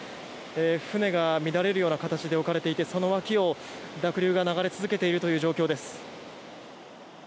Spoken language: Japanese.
船が乱れるような形で置かれていてその脇を濁流が流れ続けているという状況です。